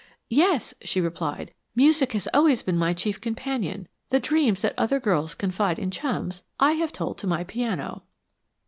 "Yes," she replied, "music has always been my chief companion. The dreams that other girls confide in chums, I have told to my piano."